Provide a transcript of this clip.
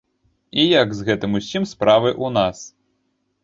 І як з гэтым усім справы ў нас.